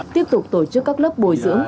tiếp tục tổ chức các lớp bồi dưỡng